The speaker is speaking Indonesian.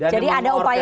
jadi ada upaya